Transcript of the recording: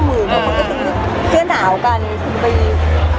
อ๋อไม่ได้เขียน